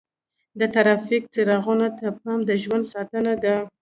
د ټرافیک څراغونو ته پام د ژوند ساتنه ده.